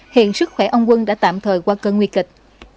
hiện sức khỏe ông quân đã tạm thời qua cơn nguy kịch